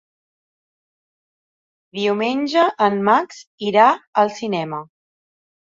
Diumenge en Max irà al cinema.